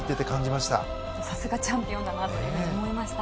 山本：さすがチャンピオンだなというふうに思いました。